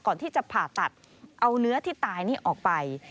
ก่อนที่จะผ่าตัดเอาเนื้อที่ตายนี่ออกไป